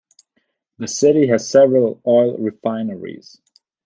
The city has several oil refineries.